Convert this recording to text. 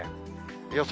予想